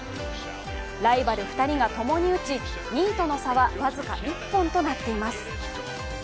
ライバル２人がともに打ち、２位との差は僅か１本となっています。